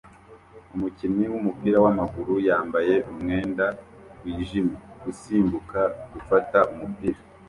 umukinnyi wumupira wamaguru yambaye umwenda wijimye usimbuka gufata umupira